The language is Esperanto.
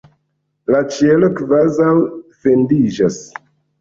La ĉielo kvazaŭ fendiĝas!